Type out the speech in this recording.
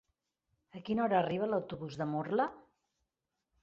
A quina hora arriba l'autobús de Murla?